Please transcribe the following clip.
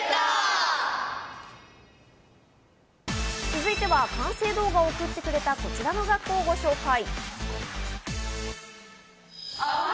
続いては完成動画を送ってくれた、こちらの学校をご紹介。